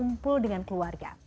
dan berkumpul dengan keluarga